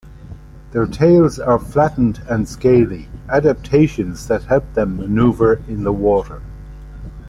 Their tails are flattened and scaly, adaptations that help them manoeuvre in the water.